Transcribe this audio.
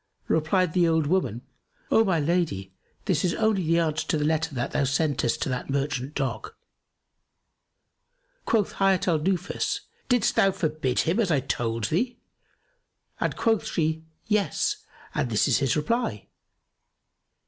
Replied the old woman, "O my lady, this is only the answer to the letter thou sentest to that merchant dog." Quoth Hayat al Nufus, "Didst thou forbid him as I told thee?"; and quoth she, "Yes, and this is his reply."